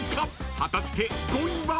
［果たして５位は］